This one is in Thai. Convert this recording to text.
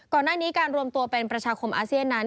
ก่อนหน้านี้การรวมตัวเป็นประชาคมอาเซียนนั้น